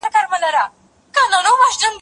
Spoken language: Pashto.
چي دجهاد په نامه زموږ په منځ کي جنګ جوړوي